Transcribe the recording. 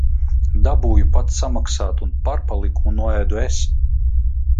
Dabūju pats samaksāt un pārpalikumu noēdu es.